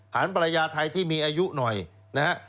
ภรรยาไทยที่มีอายุหน่อยนะฮะ